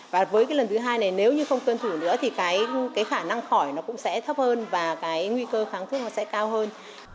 và với lần thứ hai này nếu như không tuân thủ nữa thì khả năng khỏi cũng sẽ thấp hơn và nguy cơ kháng thuốc sẽ cao hơn